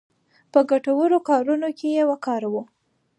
په ګټورو کارونو کې یې وکاروو.